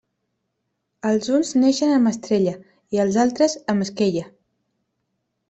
Els uns neixen amb estrella, i els altres amb esquella.